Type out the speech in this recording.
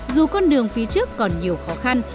dù con đường phía trước còn nhiều khó khăn